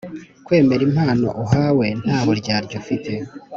Kwemera impano uhawe nta buryarya ufite